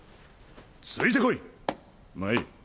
ついてこい真依。